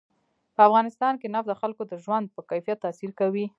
په افغانستان کې نفت د خلکو د ژوند په کیفیت تاثیر کوي.